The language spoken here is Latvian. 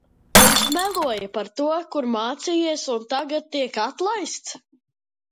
Viņš meloja par to, kur mācījies, un tagad tiek atlaists?